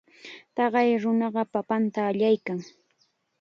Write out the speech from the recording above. Taqay nunaqa papatam allaykan.